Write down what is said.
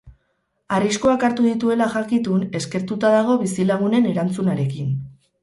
Arriskuak hartu dituela jakitun, eskertuta dago bizilagunen erantzunarekin.